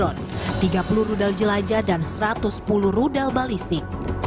yang mencakup satu ratus tujuh puluh drone tiga puluh rudal jelajah dan satu ratus sepuluh rudal balistik